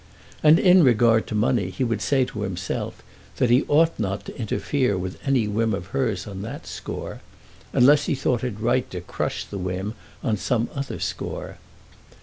And in regard to money he would say to himself that he ought not to interfere with any whim of hers on that score, unless he thought it right to crush the whim on some other score.